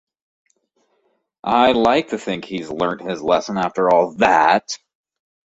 I'd like to think he's learnt his lesson after all that.